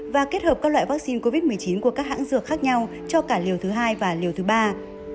và kết hợp các loại vaccine covid một mươi chín của các hãng dược khác nhau cho cả liều thứ hai và liều thứ ba